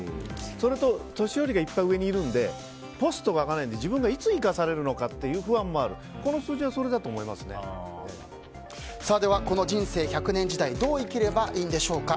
それと、年寄りがいっぱい上にいるのでポストが空かないから自分がいつ上に行けるのかというでは、この人生１００年時代どう生きればいいんでしょうか。